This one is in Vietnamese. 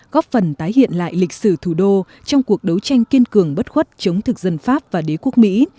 góp phần tái hiện lại lịch sử thủ đô trong cuộc đấu tranh kiên cường bất khuất chống thực dân pháp và đế quốc mỹ